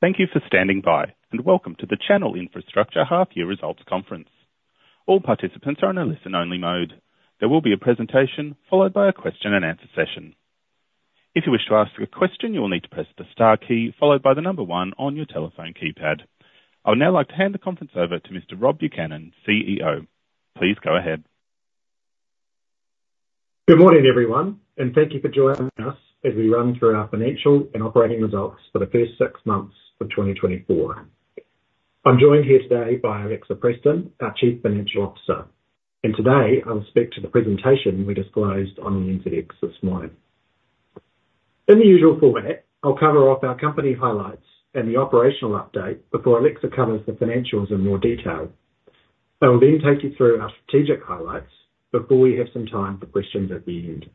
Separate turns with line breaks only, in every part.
Thank you for standing by, and welcome to the Channel Infrastructure Half Year Results Conference. All participants are in a listen-only mode. There will be a presentation followed by a question-and-answer session. If you wish to ask a question, you will need to press the star key followed by the number one on your telephone keypad. I would now like to hand the conference over to Mr. Rob Buchanan, CEO. Please go ahead.
Good morning, everyone, and thank you for joining us as we run through our financial and operating results for the first six months of 2024. I'm joined here today by Alexa Preston, our Chief Financial Officer, and today I'll speak to the presentation we disclosed on NZX this morning. In the usual format, I'll cover off our company highlights and the operational update before Alexa covers the financials in more detail. I will then take you through our strategic highlights before we have some time for questions at the end.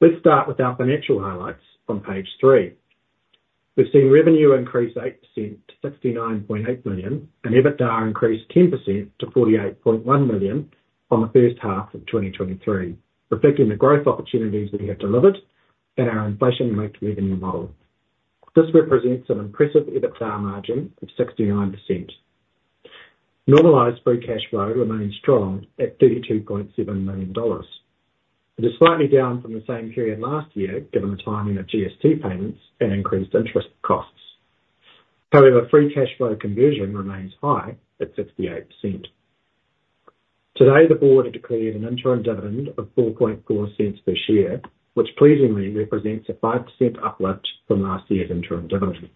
Let's start with our financial highlights on page three. We've seen revenue increase 8% to 69.8 million, and EBITDA increased 10% to 48.1 million from the first half of 2023, reflecting the growth opportunities we have delivered and our inflation-linked revenue model. This represents an impressive EBITDA margin of 69%. Normalized free cash flow remains strong at 32.7 million dollars. It is slightly down from the same period last year, given the timing of GST payments and increased interest costs. However, free cash flow conversion remains high at 68%. Today, the board declared an interim dividend of 4.4 cents per share, which pleasingly represents a 5% uplift from last year's interim dividend.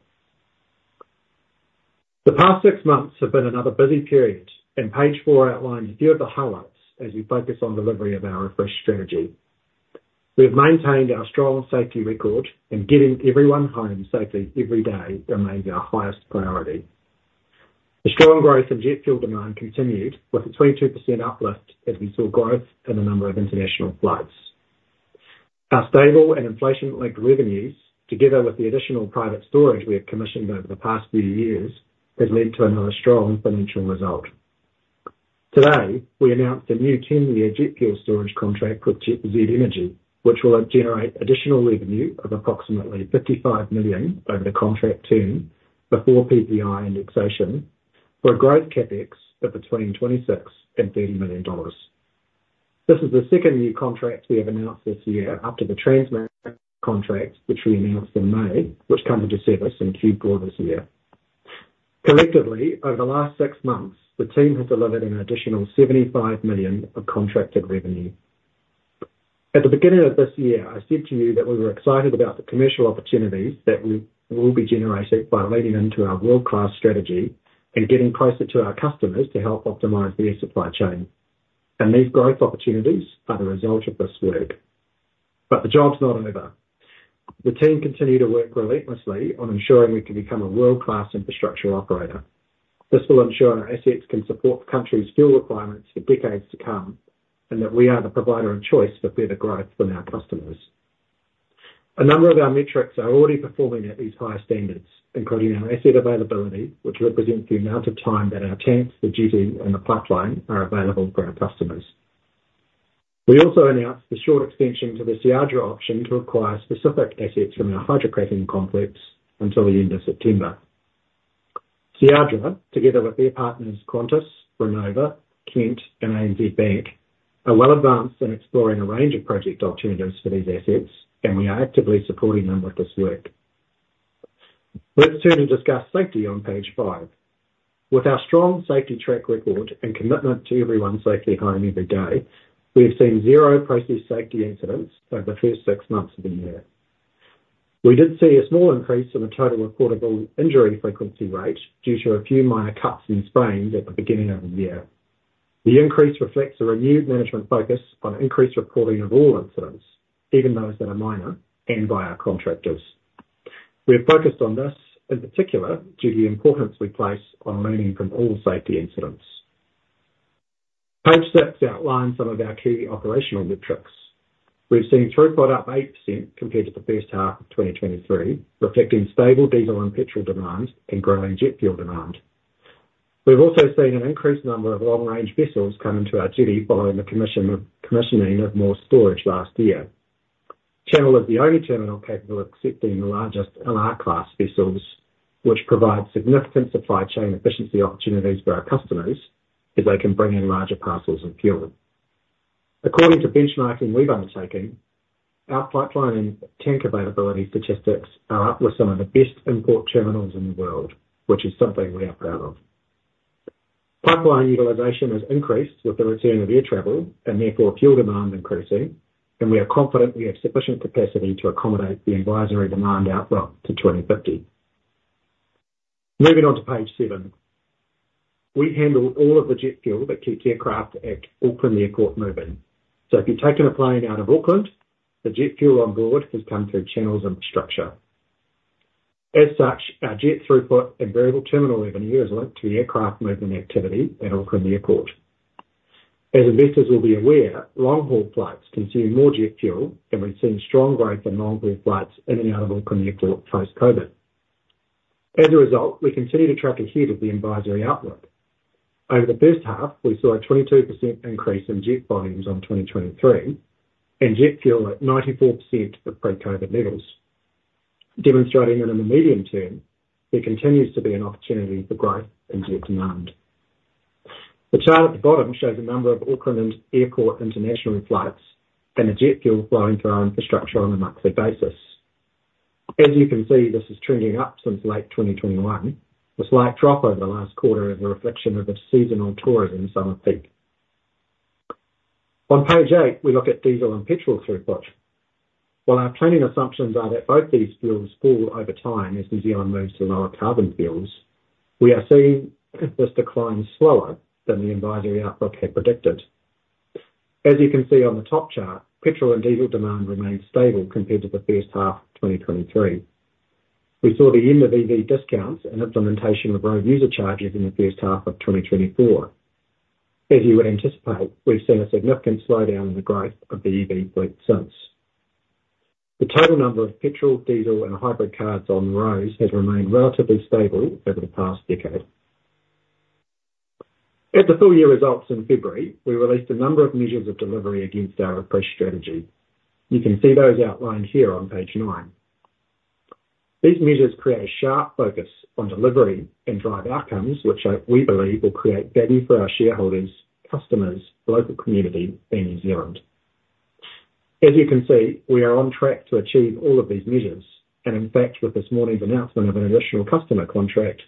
The past six months have been another busy period, and page four outlines a few of the highlights as we focus on delivery of our refreshed strategy. We have maintained our strong safety record, and getting everyone home safely every day remains our highest priority. The strong growth in jet fuel demand continued, with a 22% uplift, as we saw growth in the number of international flights. Our stable and inflation-linked revenues, together with the additional private storage we have commissioned over the past few years, has led to another strong financial result. Today, we announced a new 10 year jet fuel storage contract with Z Energy, which will generate additional revenue of approximately 55 million over the contract term before PPI indexation, for a growth CapEx of between 26 million-30 million dollars. This is the second new contract we have announced this year after the Transmix contract, which we announced in May, which comes into service in Q4 this year. Collectively, over the last six months, the team has delivered an additional 75 million of contracted revenue. At the beginning of this year, I said to you that we were excited about the commercial opportunities that we will be generating by leaning into our world-class strategy and getting closer to our customers to help optimize their supply chain. And these growth opportunities are the result of this work. But the job's not over. The team continue to work relentlessly on ensuring we can become a world-class infrastructure operator. This will ensure our assets can support the country's fuel requirements for decades to come, and that we are the provider of choice for better growth from our customers. A number of our metrics are already performing at these higher standards, including our asset availability, which represents the amount of time that our tanks, the jetty, and the pipeline are available for our customers. We also announced the short extension to the Seadra option to acquire specific assets from our hydrocracking complex until the end of September. Seadra, together with their partners, Qantas, Renova, Kent, and ANZ Bank, are well advanced in exploring a range of project opportunities for these assets, and we are actively supporting them with this work. Let's turn and discuss safety on page five. With our strong safety track record and commitment to everyone safely home every day, we've seen zero process safety incidents over the first six months of the year. We did see a small increase in the total reportable injury frequency rate due to a few minor cuts and sprains at the beginning of the year. The increase reflects a renewed management focus on increased reporting of all incidents, even those that are minor and by our contractors. We are focused on this, in particular, due to the importance we place on learning from all safety incidents. Page six outlines some of our key operational metrics. We've seen throughput up 8% compared to the first half of 2023, reflecting stable diesel and petrol demand and growing jet fuel demand. We've also seen an increased number of long-range vessels come into our jetty following the commissioning of more storage last year. Channel is the only terminal capable of accepting the largest LR class vessels, which provide significant supply chain efficiency opportunities for our customers, as they can bring in larger parcels of fuel. According to benchmarking we've undertaken, our pipeline and tank availability statistics are up with some of the best import terminals in the world, which is something we are proud of. Pipeline utilization has increased with the return of air travel and therefore fuel demand increasing, and we are confident we have sufficient capacity to accommodate the advisory demand outlook to 2050. Moving on to page seven. We handle all of the jet fuel that keeps aircraft at Auckland Airport moving. So if you've taken a plane out of Auckland, the jet fuel on board has come through Channel's infrastructure. As such, our jet throughput and variable terminal revenue is linked to the aircraft movement activity at Auckland Airport. As investors will be aware, long-haul flights consume more jet fuel, and we've seen strong growth in long-haul flights in and out of Auckland Airport post-COVID. As a result, we continue to track ahead of the advisory outlook. Over the first half, we saw a 22% increase in jet volumes on 2023, and jet fuel at 94% of pre-COVID levels, demonstrating that in the medium term, there continues to be an opportunity for growth in jet demand. The chart at the bottom shows the number of Auckland Airport international flights, and the jet fuel flowing through our infrastructure on a monthly basis. As you can see, this is trending up since late 2021, with a slight drop over the last quarter as a reflection of the seasonal tourism summer peak. On page eight, we look at diesel and petrol throughput. While our planning assumptions are that both these fuels fall over time as New Zealand moves to lower carbon fuels, we are seeing this decline slower than the advisory outlook had predicted. As you can see on the top chart, petrol and diesel demand remains stable compared to the first half of 2023. We saw the end of EV discounts and implementation of road user charges in the first half of 2024. As you would anticipate, we've seen a significant slowdown in the growth of the EV fleet since. The total number of petrol, diesel, and hybrid cars on the roads has remained relatively stable over the past decade. At the full year results in February, we released a number of measures of delivery against our refreshed strategy. You can see those outlined here on page nine. These measures create a sharp focus on delivery and drive outcomes, which we believe will create value for our shareholders, customers, local community, and New Zealand. As you can see, we are on track to achieve all of these measures, and in fact, with this morning's announcement of an additional customer contract,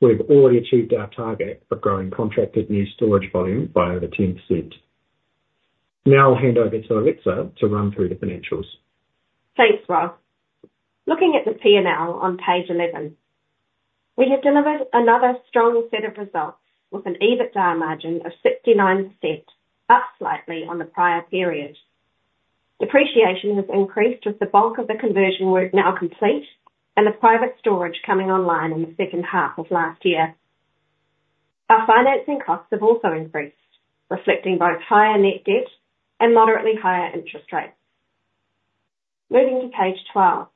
we've already achieved our target for growing contracted new storage volume by over 10%. Now I'll hand over to Alexa to run through the financials.
Thanks, Rob. Looking at the P&L on page 11, we have delivered another strong set of results with an EBITDA margin of 69%, up slightly on the prior period. Depreciation has increased with the bulk of the conversion work now complete and the private storage coming online in the second half of last year. Our financing costs have also increased, reflecting both higher net debt and moderately higher interest rates. Moving to page 12,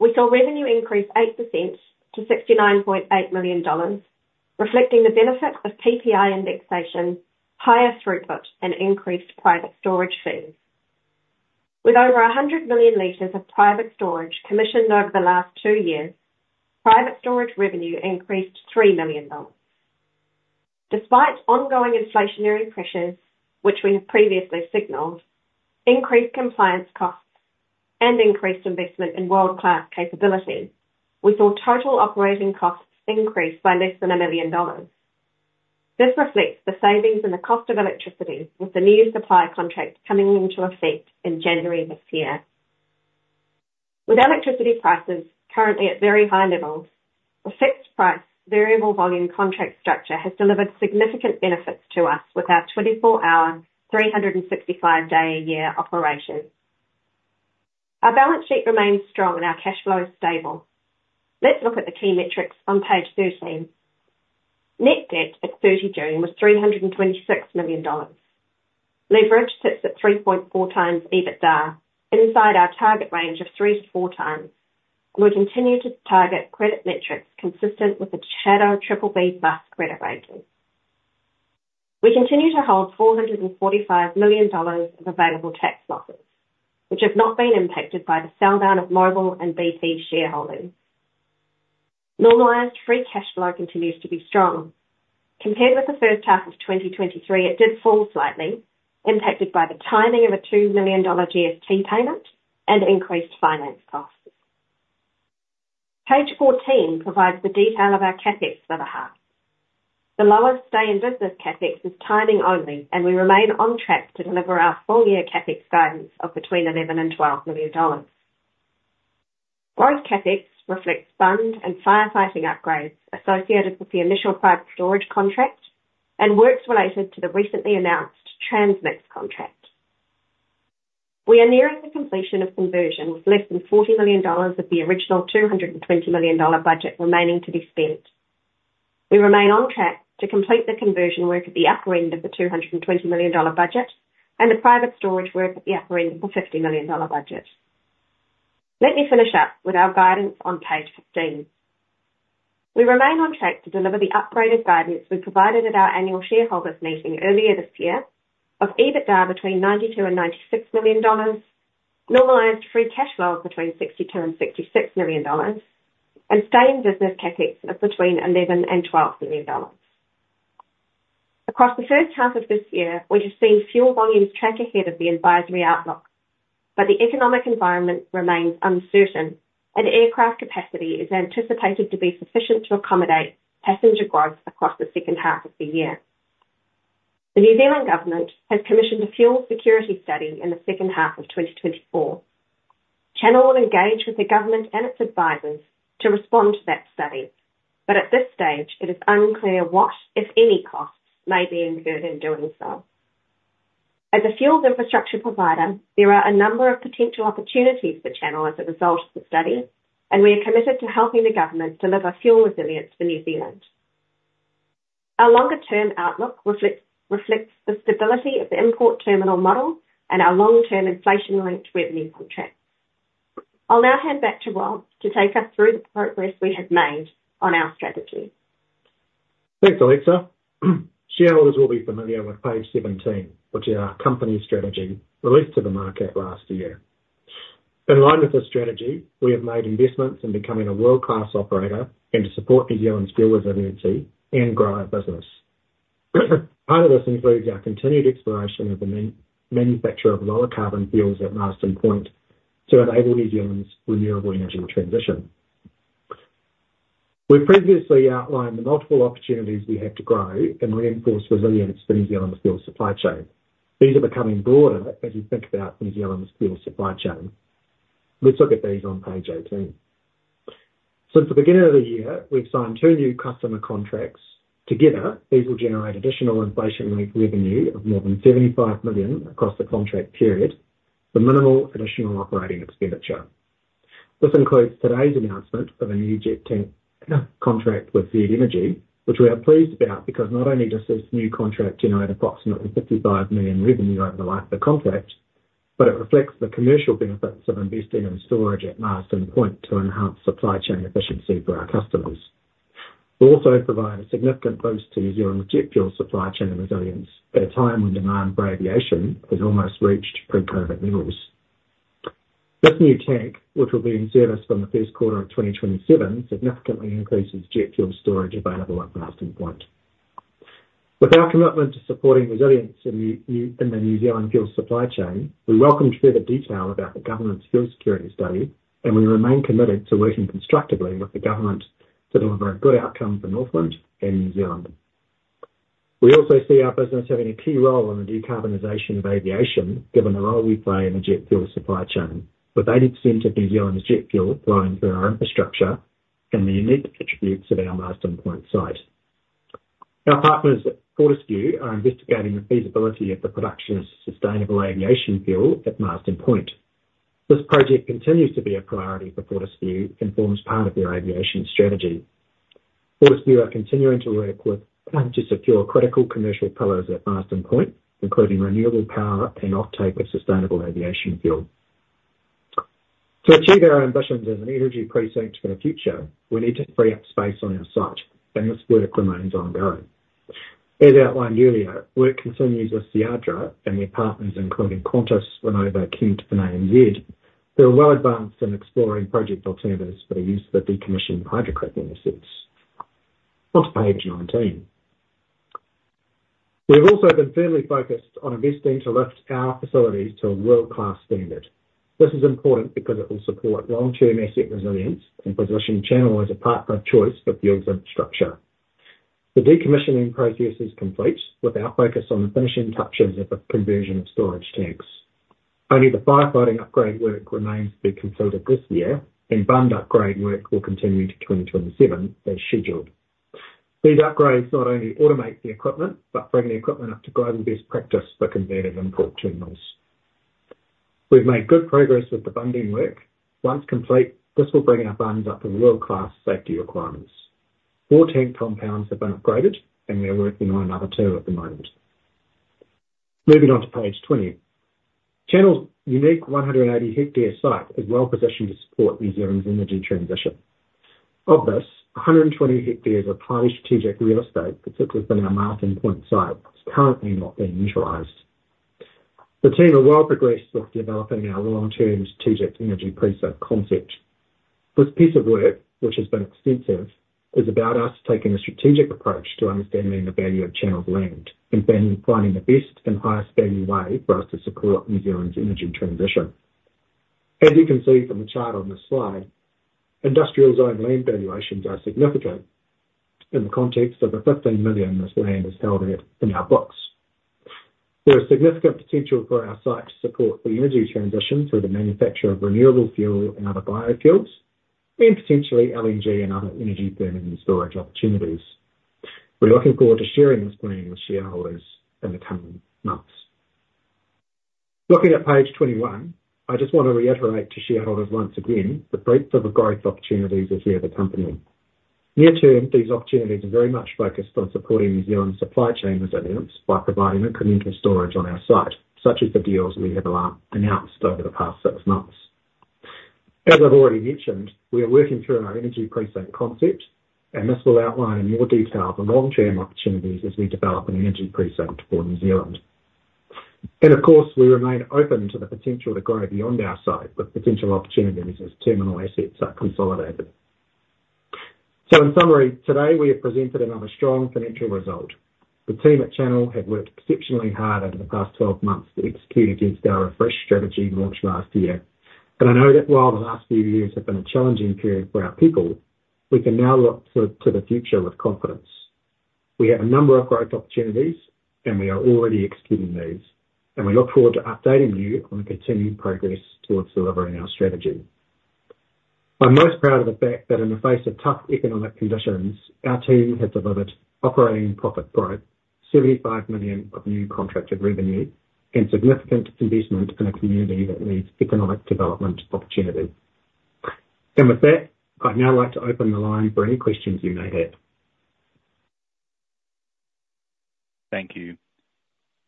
we saw revenue increase 8% to 69.8 million dollars, reflecting the benefit of PPI indexation, higher throughput, and increased private storage fees. With over 100 million liters of private storage commissioned over the last two years, private storage revenue increased 3 million dollars. Despite ongoing inflationary pressures, which we have previously signaled, increased compliance costs, and increased investment in world-class capability, we saw total operating costs increase by less than 1 million dollars. This reflects the savings and the cost of electricity, with the new supply contract coming into effect in January this year. With electricity prices currently at very high levels, the fixed price, variable volume contract structure has delivered significant benefits to us with our 24-hour, 365-day-a-year operation. Our balance sheet remains strong and our cash flow is stable. Let's look at the key metrics on page 13. Net debt at 30 June was 326 million dollars. Leverage sits at 3.4x EBITDA, inside our target range of 3x-4x, and we continue to target credit metrics consistent with the Channel BBB+ credit rating. We continue to hold 445 million dollars of available tax losses, which have not been impacted by the sell down of Mobil and BP shareholdings. Normalized free cash flow continues to be strong. Compared with the first half of 2023, it did fall slightly, impacted by the timing of a 2 million dollar GST payment and increased finance costs. Page 14 provides the detail of our CapEx for the half. The lower stay in business CapEx is timing only, and we remain on track to deliver our full year CapEx guidance of between NZD 11 million and NZD 12 million. Growth CapEx reflects bund and firefighting upgrades associated with the initial private storage contract, and works related to the recently announced Transmix contract. We are nearing the completion of conversion, with less than 40 million dollars of the original 220 million dollar budget remaining to be spent. We remain on track to complete the conversion work at the upper end of the 220 million dollar budget, and the private storage work at the upper end of the 50 million dollar budget. Let me finish up with our guidance on page 15. We remain on track to deliver the upgraded guidance we provided at our annual shareholders meeting earlier this year, of EBITDA between 92 million and 96 million dollars, normalized free cash flows between 62 million and 66 million dollars, and staying in business CapEx of between 11 million and 12 million dollars. Across the first half of this year, we have seen fuel volumes track ahead of the advisory outlook, but the economic environment remains uncertain and aircraft capacity is anticipated to be sufficient to accommodate passenger growth across the second half of the year. The New Zealand government has commissioned a fuel security study in the second half of 2024. Channel will engage with the government and its advisors to respond to that study, but at this stage, it is unclear what, if any, costs may be incurred in doing so. As a fuel infrastructure provider, there are a number of potential opportunities for Channel as a result of the study, and we are committed to helping the government deliver fuel resilience for New Zealand. Our longer-term outlook reflects the stability of the import terminal model and our long-term inflation-linked revenue contracts. I'll now hand back to Rob to take us through the progress we have made on our strategy.
Thanks, Alexa. Shareholders will be familiar with page 17, which is our company strategy released to the market last year. In line with this strategy, we have made investments in becoming a world-class operator and to support New Zealand's fuel resiliency and grow our business. Part of this includes our continued exploration of the manufacture of lower carbon fuels at Marsden Point, to enable New Zealand's renewable energy transition. We've previously outlined the multiple opportunities we have to grow and reinforce resilience for New Zealand's fuel supply chain. These are becoming broader as you think about New Zealand's fuel supply chain. Let's look at these on page 18. Since the beginning of the year, we've signed two new customer contracts. Together, these will generate additional inflation-linked revenue of more than 75 million across the contract period for minimal additional operating expenditure. This includes today's announcement of a new jet tank contract with Z Energy, which we are pleased about because not only does this new contract generate approximately 55 million revenue over the life of the contract, but it reflects the commercial benefits of investing in storage at Marsden Point to enhance supply chain efficiency for our customers. It will also provide a significant boost to New Zealand jet fuel supply chain and resilience at a time when demand for aviation has almost reached pre-COVID levels. This new tank, which will be in service from the first quarter of 2027, significantly increases jet fuel storage available at Marsden Point. With our commitment to supporting resilience in the New Zealand fuel supply chain, we welcome further detail about the government's fuel security study, and we remain committed to working constructively with the government to deliver a good outcome for Northland and. We also see our business having a key role in the decarbonization of aviation, given the role we play in the jet fuel supply chain, with 80% of New Zealand's jet fuel flowing through our infrastructure and the unique attributes of our Marsden Point site. Our partners at Fortescue are investigating the feasibility of the production of sustainable aviation fuel at Marsden Point. This project continues to be a priority for Fortescue and forms part of their aviation strategy. Fortescue are continuing to work with, to secure critical commercial pillars at Marsden Point, including renewable power and offtake of sustainable aviation fuel. To achieve our ambitions as an energy precinct for the future, we need to free up space on our site, and this work remains ongoing. As outlined earlier, work continues with Seadra and their partners, including Qantas, Renova, Kent, and ANZ, who are well advanced in exploring project alternatives for the use of the decommissioned hydrocracking assets. On to page 19. We have also been firmly focused on investing to lift our facilities to a world-class standard. This is important because it will support long-term asset resilience and position Channel as a partner of choice for fuels infrastructure. The decommissioning process is complete, with our focus on the finishing touches of the conversion of storage tanks. Only the firefighting upgrade work remains to be completed this year, and bund upgrade work will continue to 2027 as scheduled. These upgrades not only automate the equipment, but bring the equipment up to global best practice for converted import terminals. We've made good progress with the bunding work. Once complete, this will bring our bunds up to world-class safety requirements. Four tank compounds have been upgraded, and we are working on another two at the moment. Moving on to page 20. Channel's unique 180 hectares site is well positioned to support New Zealand's energy transition. Of this, 120 hectares are highly strategic real estate, particularly within our Marsden Point site, which is currently not being utilized. The team are well progressed with developing our long-term strategic energy precinct concept. This piece of work, which has been extensive, is about us taking a strategic approach to understanding the value of Channel's land, and then finding the best and highest-value way for us to support New Zealand's energy transition. As you can see from the chart on this slide, industrial zone land valuations are significant in the context of the 15 million this land is held at in our books. There is significant potential for our site to support the energy transition through the manufacture of renewable fuel and other biofuels, and potentially LNG and other energy firming and storage opportunities. We're looking forward to sharing this plan with shareholders in the coming months. Looking at page 21, I just want to reiterate to shareholders once again the breadth of the growth opportunities within the company. Near term, these opportunities are very much focused on supporting New Zealand's supply chain resilience by providing incremental storage on our site, such as the deals we have already announced over the past six months. As I've already mentioned, we are working through our energy precinct concept, and this will outline in more detail the long-term opportunities as we develop an energy precinct for New Zealand. And of course, we remain open to the potential to grow beyond our site with potential opportunities as terminal assets are consolidated. So in summary, today, we have presented another strong financial result. The team at Channel have worked exceptionally hard over the past 12 months to execute against our refreshed strategy launched last year. And I know that while the last few years have been a challenging period for our people, we can now look to the future with confidence. We have a number of growth opportunities, and we are already executing these, and we look forward to updating you on the continued progress towards delivering our strategy. I'm most proud of the fact that in the face of tough economic conditions, our team has delivered operating profit growth, 75 million of new contracted revenue, and significant investment in a community that needs economic development opportunities, and with that, I'd now like to open the line for any questions you may have.
Thank you.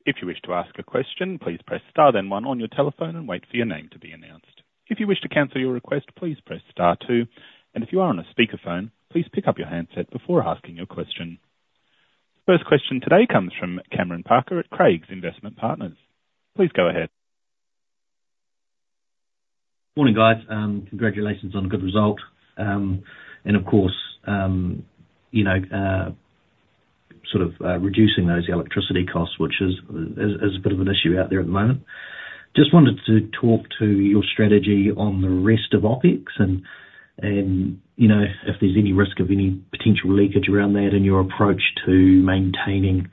If you wish to ask a question, please press star then one on your telephone and wait for your name to be announced. If you wish to cancel your request, please press star two, and if you are on a speakerphone, please pick up your handset before asking your question. First question today comes from Cameron Parker at Craigs Investment Partners. Please go ahead.
Morning, guys. Congratulations on a good result. And of course, you know, sort of, reducing those electricity costs, which is a bit of an issue out there at the moment. Just wanted to talk to your strategy on the rest of OpEx and, you know, if there's any risk of any potential leakage around that in your approach to maintaining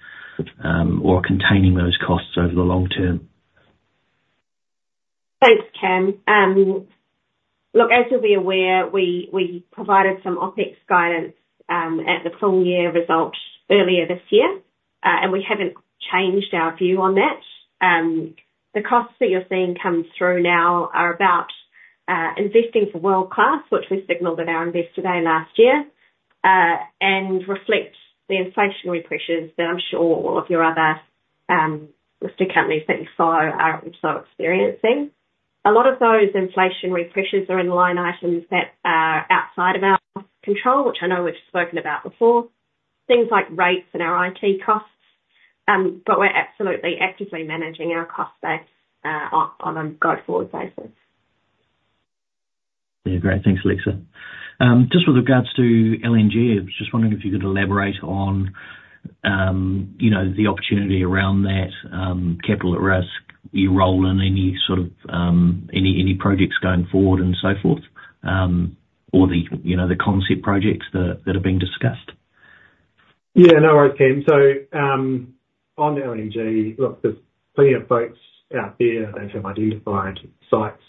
or containing those costs over the long term?
Thanks, Cam. Look, as you'll be aware, we provided some OpEx guidance at the full year results earlier this year, and we haven't changed our view on that. The costs that you're seeing come through now are about investing for world-class, which we signaled at our Investor Day last year, and reflects the inflationary pressures that I'm sure all of your other listed companies that you follow are also experiencing. A lot of those inflationary pressures are in the line items that are outside of our control, which I know we've spoken about before. Things like rates and our IT costs, but we're absolutely actively managing our cost base on a go-forward basis.
Yeah. Great. Thanks, Alexa. Just with regards to LNG, I was just wondering if you could elaborate on, you know, the opportunity around that, capital at risk, your role in any sort of, any projects going forward and so forth, or the, you know, the concept projects that are being discussed.
Yeah. No worries, Cam. So, on LNG, look, there's plenty of folks out there that have identified sites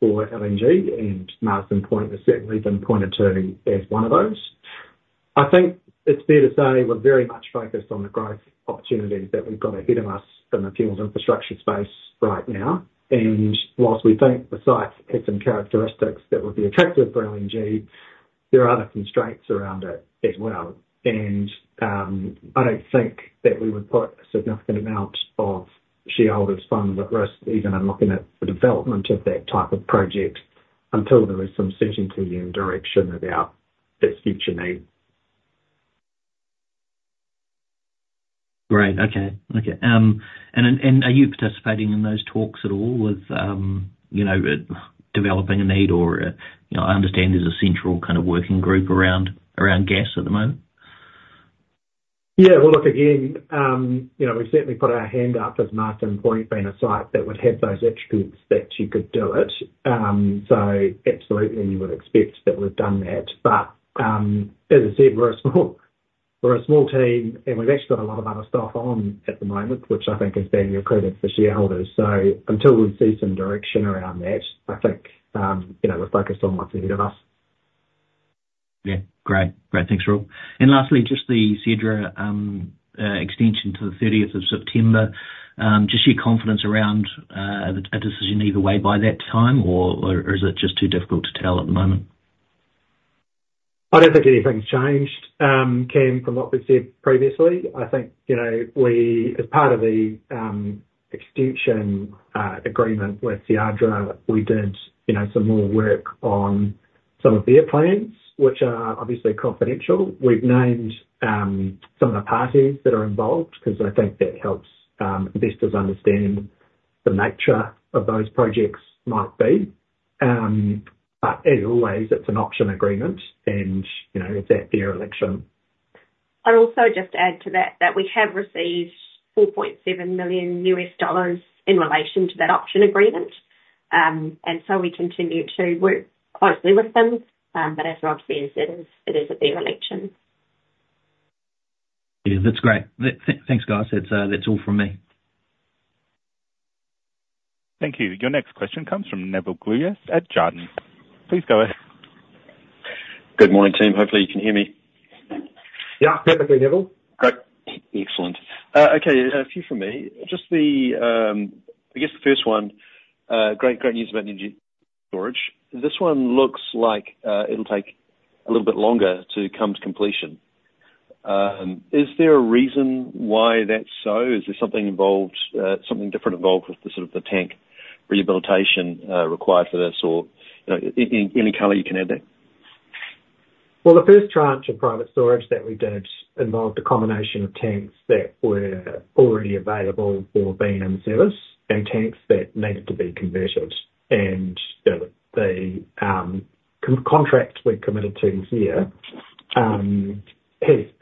for LNG, and Marsden Point has certainly been pointed to as one of those. I think it's fair to say we're very much focused on the growth opportunities that we've got ahead of us in the fuels infrastructure space right now, and whilst we think the site has some characteristics that would be attractive for LNG, there are other constraints around it as well. And, I don't think that we would put a significant amount of shareholders' funds at risk even in looking at the development of that type of project, until there is some certainty and direction about that future need.
Great. Okay. Okay, and then, and are you participating in those talks at all with, you know, developing a need or, you know, I understand there's a central kind of working group around gas at the moment?
Yeah, well, look again, you know, we certainly put our hand up as Marsden Point being a site that would have those attributes that you could do it. So absolutely you would expect that we've done that. But, as I said, we're a small team, and we've actually got a lot of other stuff on at the moment, which I think is being accredited for shareholders. So until we see some direction around that, I think, you know, we're focused on what's ahead of us.
Yeah. Great. Great. Thanks, Rob. And lastly, just the Seadra extension to the 30th of September, just your confidence around a decision either way by that time or is it just too difficult to tell at the moment?
I don't think anything's changed, Cam, from what we've said previously. I think, you know, we, as part of the extension agreement with Seadra, we did, you know, some more work on some of their plans, which are obviously confidential. We've named some of the parties that are involved, because I think that helps investors understand the nature of those projects might be. But as always, it's an option agreement and, you know, it's at their election.
I'd also just add to that, that we have received $4.7 million in relation to that option agreement. And so we continue to work closely with them, but as Rob says, it is at their election.
Yeah, that's great. Thanks, guys. That's all from me.
Thank you. Your next question comes from Nevill Gluyas at Jarden. Please go ahead.
Good morning, team. Hopefully you can hear me.
Yeah, perfectly, Nevill.
Great. Excellent. Okay, a few from me. Just the, I guess the first one, great, great news about energy storage. This one looks like, it'll take a little bit longer to come to completion. Is there a reason why that's so? Is there something involved, something different involved with the sort of the tank rehabilitation, required for this? Or, you know, any color you can add there.
The first tranche of private storage that we did involved a combination of tanks that were already available or being in service and tanks that needed to be converted. The contract we committed to this year has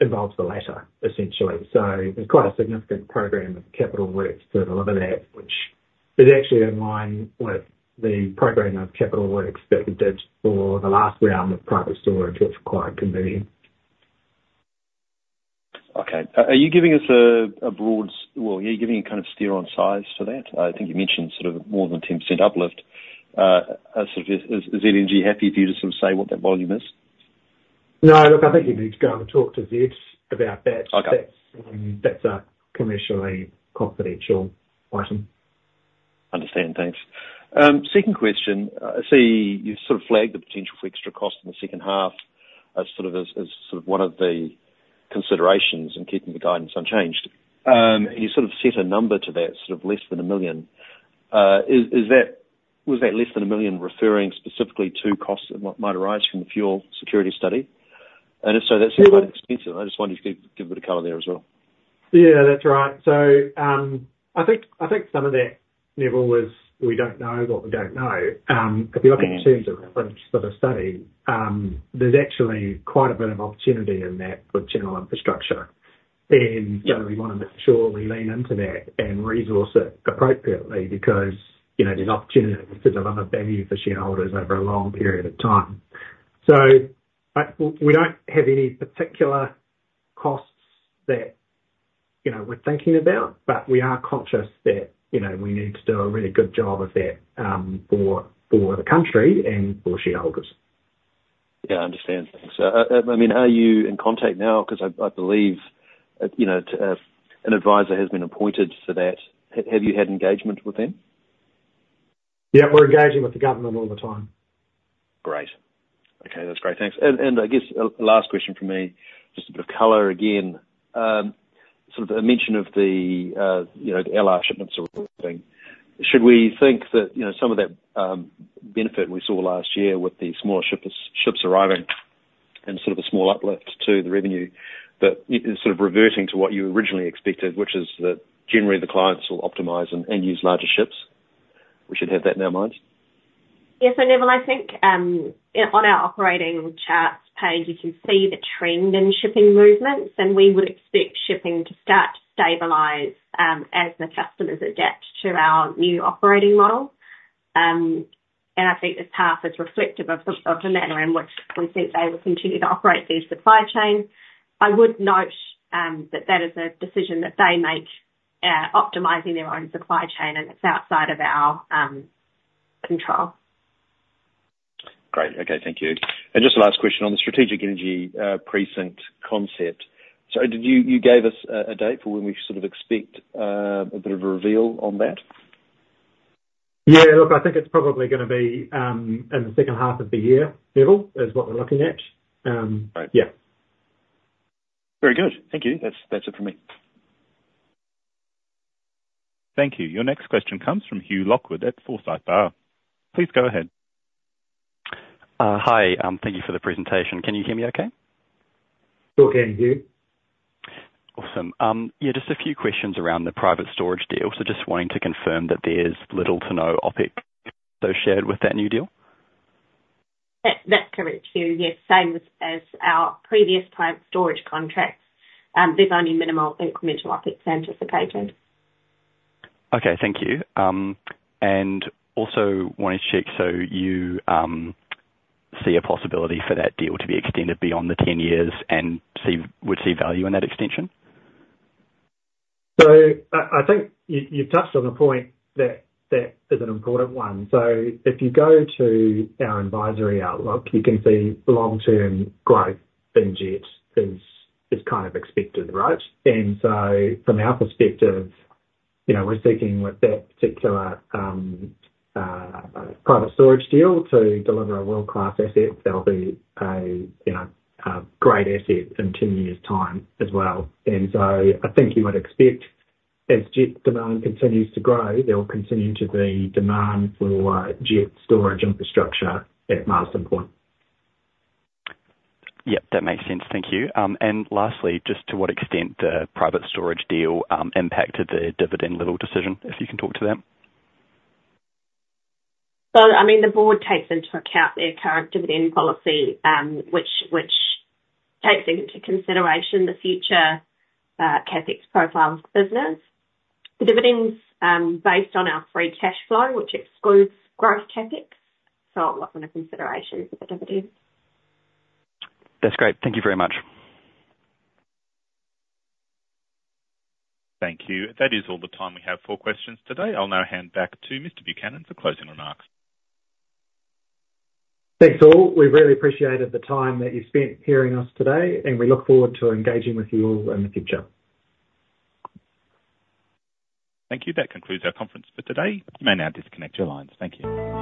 involved the latter, essentially. There's quite a significant program of capital works to deliver that, which is actually in line with the program of capital works that we did for the last round of private storage, which is quite convenient.
Okay. Well, are you giving any kind of steer on size for that? I think you mentioned sort of more than 10% uplift. So just, is LNG happy for you to sort of say what that volume is?
No. Look, I think you need to go and talk to about that.
Okay.
That's a commercially confidential item.
Understand. Thanks. Second question. I see you sort of flagged the potential for extra cost in the second half as sort of one of the considerations in keeping the guidance unchanged. And you sort of set a number to that, sort of less than 1 million. Is that was that less than 1 million referring specifically to costs that might arise from the fuel security study? And if so, that seems quite expensive. I just wonder if you could give a bit of color there as well.
Yeah, that's right. So, I think some of that, Neville, was we don't know what we don't know. If you look in terms of sort of study, there's actually quite a bit of opportunity in that for Channel Infrastructure. And so we wanna make sure we lean into that and resource it appropriately, because, you know, there's opportunity to deliver value for shareholders over a long period of time. So we don't have any particular costs that, you know, we're thinking about, but we are conscious that, you know, we need to do a really good job of that, for the country and for shareholders.
Yeah, I understand. Thanks. I mean, are you in contact now? 'Cause I believe, you know, an advisor has been appointed for that. Have you had engagement with them?
Yeah, we're engaging with the government all the time.
Great. Okay, that's great. Thanks. And I guess a last question from me, just a bit of color again. Sort of a mention of the, you know, the LR shipments sort of thing. Should we think that, you know, some of that benefit we saw last year with the smaller ships arriving, and sort of a small uplift to the revenue, that it's sort of reverting to what you originally expected, which is that generally the clients will optimize and use larger ships? We should have that in our minds?
Yeah, so Nevill, I think on our operating charts page, you can see the trend in shipping movements, and we would expect shipping to start to stabilize as the customers adapt to our new operating model. I think this half is reflective of the manner in which we think they will continue to operate these supply chains. I would note that is a decision that they make, optimizing their own supply chain, and it's outside of our control.
Great. Okay, thank you. And just a last question on the strategic energy precinct concept. So did you... You gave us a date for when we sort of expect a bit of a reveal on that?
Yeah, look, I think it's probably gonna be in the second half of the year, Nevill, is what we're looking at.
Right.
Yeah.
Very good. Thank you. That's, that's it for me.
Thank you. Your next question comes from Hugh Lockwood at Forsyth Barr. Please go ahead.
Hi. Thank you for the presentation. Can you hear me okay?
We can, Hugh.
Awesome. Yeah, just a few questions around the private storage deals. So just wanting to confirm that there's little to no OpEx associated with that new deal?
That, that's correct, Hugh. Yes, same as our previous private storage contracts, there's only minimal incremental OpEx anticipated.
Okay, thank you. And also wanted to check, so you see a possibility for that deal to be extended beyond the 10 years and would see value in that extension?
I think you've touched on a point that is an important one. If you go to our advisory outlook, you can see long-term growth in jet is kind of expected, right? And so from our perspective, you know, we're seeking with that particular private storage deal to deliver a world-class asset that'll be a you know a great asset in two years' time as well. And so I think you would expect as jet demand continues to grow, there will continue to be demand for jet storage infrastructure at Marsden Point.
Yep, that makes sense. Thank you. And lastly, just to what extent the private storage deal impacted the dividend level decision, if you can talk to that?
I mean, the board takes into account their current dividend policy, which takes into consideration the future CapEx profile of the business. Dividends based on our free cash flow, which excludes growth CapEx, so not in a consideration for the dividend.
That's great. Thank you very much.
Thank you. That is all the time we have for questions today. I'll now hand back to Mr. Buchanan for closing remarks.
Thanks, all. We really appreciated the time that you spent hearing us today, and we look forward to engaging with you all in the future.
Thank you. That concludes our conference for today. You may now disconnect your lines. Thank you.